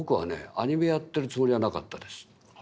アニメやってるつもりはなかったです。